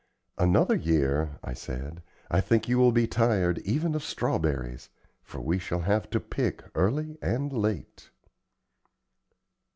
"Another year," I said, "I think you will be tired even of strawberries, for we shall have to pick early and late."